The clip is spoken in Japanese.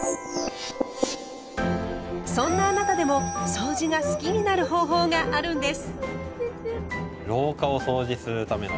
そんなあなたでもそうじが好きになる方法があるんです。